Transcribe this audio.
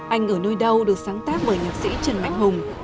anh ở nơi đâu được sáng tác bởi nhạc sĩ trần mạnh hùng